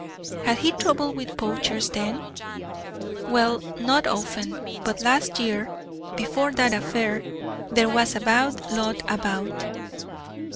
"Had he trouble with poachers, then?" "Well, not often; but last year, before that affair, there was a bad lot about.